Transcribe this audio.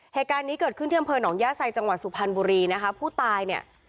แขการนี้เกิดขึ้นเที่ยวเผินของย่าไซค์จังหวัดสุพรรณบุรีนะคะผู้ตายเนี่ย